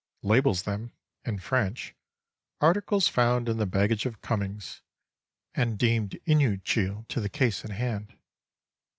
Labels them (in French): "Articles found in the baggage of Cummings and deemed inutile to the case at hand."